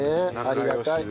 ありがたい。